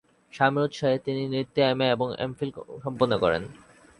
স্বামীর উৎসাহে তিনি নৃত্যে এমএ এবং এমফিল সম্পন্ন করেন।